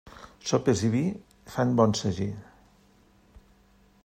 Sopes i vi fan bon sagí.